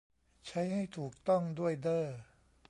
ใช้ให้ถูกต้องด้วยเด้อ